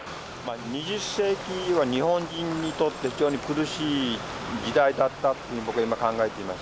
２０世紀は日本人にとって非常に苦しい時代だったというふうに僕は今考えています。